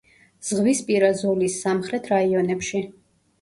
ზღვისპირა ზოლის სამხრეთ რაიონებში.